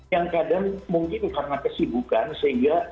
yang kadang mungkin karena kesibukan sehingga